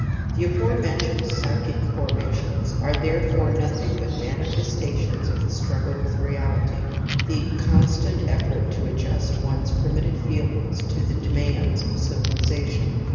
The aforementioned psychic formations are^ therefore nothing but manifestations of the / itruggle with reality, the constant effort to ad / Ijust one's primitive feelings to the demands ofj civilization.